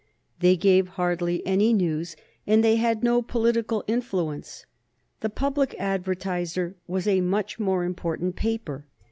They gave hardly any news, and they had no political influence. The Public Advertiser was a much more important paper.